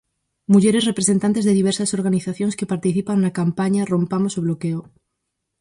Mulleres representantes de diversas organizacións que participan na campaña Rompamos o bloqueo.